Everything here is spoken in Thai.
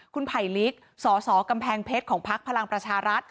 คุณไผลลิกสสกำแพงเพชรของพักพลังประชารัฐ